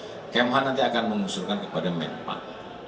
kementerian pertahanan nanti akan mengusulkan kepada menhan